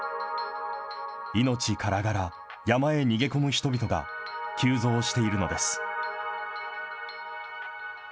命からがら山へ逃げ込む人々が急増しているのです。